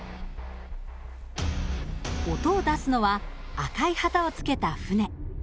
音を出すのは赤い旗をつけた船。